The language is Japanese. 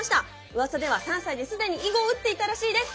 うわさでは３歳で既に囲碁を打っていたらしいです。